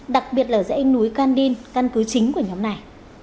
đặc biệt là dãy núi kandin căn cứ chính của nhóm này